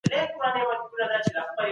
یې پر دوو ملتونو ويشلی دی.